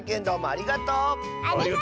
ありがとう！